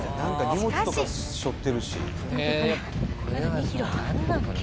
荷物とかしょってるし。